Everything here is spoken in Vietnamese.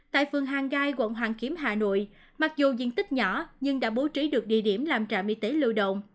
tại phường hàng gai quận hoàn kiếm hà nội mặc dù diện tích nhỏ nhưng đã bố trí được địa điểm làm trạm y tế lưu động